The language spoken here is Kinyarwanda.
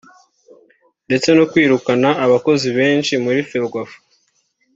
ndetse no kwirukana abakozi benshi muri Ferwafa